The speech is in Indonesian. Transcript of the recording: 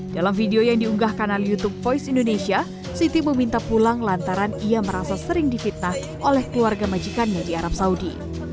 dalam video yang diunggah kanal youtube voice indonesia siti meminta pulang lantaran ia merasa sering difitnah oleh keluarga majikannya di arab saudi